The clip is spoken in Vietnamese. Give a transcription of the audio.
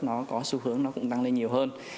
nó có xu hướng nó cũng tăng lên nhiều hơn